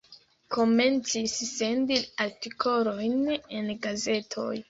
Komencis sendi artikolojn en gazetoj.